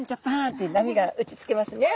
って波が打ちつけますね。